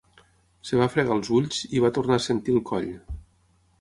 Es va fregar els ulls i va tornar a sentir el coll.